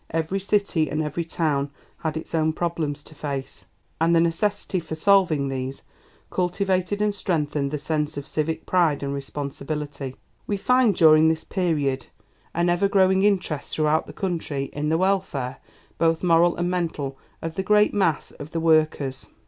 Every city and every town had its own problems to face, and the necessity for solving these cultivated and strengthened the sense of civic pride and responsibility. We find during this period an ever growing interest throughout the country in the welfare, both moral and mental, of the great mass of the workers.